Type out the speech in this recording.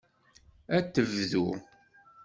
Ad tebdu.